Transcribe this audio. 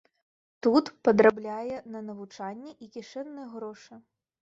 Тут падрабляе на навучанне і кішэнныя грошы.